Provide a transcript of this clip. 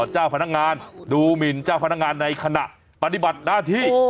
เจ้าพนักงานดูหมินเจ้าพนักงานในขณะปฏิบัติหน้าที่